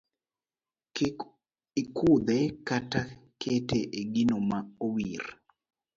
Kik ikudhe kata kete e gino ma owir.